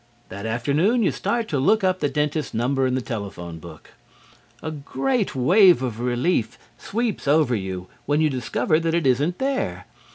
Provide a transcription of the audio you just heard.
That afternoon you start to look up the dentist's number in the telephone book. A great wave of relief sweeps over you when you discover that it isn't there.